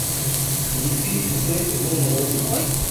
Iyi fi ifite impumuro mbi.